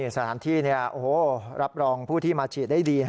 สถานที่รับรองผู้ที่มาฉีดได้ดี